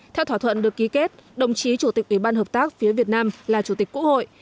theo thỏa thuận được ký kết đồng chí chủ tịch ủy ban hợp tác phía việt nam là chủ tịch quốc hội